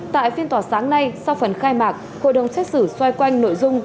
tại phiên tòa sáng nay sau phần khai mạc hội đồng xét xử xoay quanh nội dung